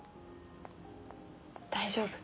大丈夫？